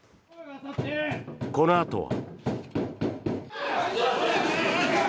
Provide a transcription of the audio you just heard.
このあとは。